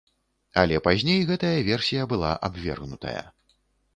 Але пазней гэтая версія была абвергнутая.